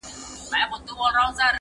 o يو به مړ نه سي، بل به موړ نه سي!